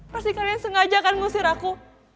pasti kalian sengaja kan ngusir aku